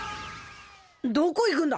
どこ行くんだ？